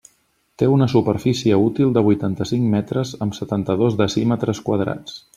Té una superfície útil de vuitanta-cinc metres amb setanta-dos decímetres quadrats.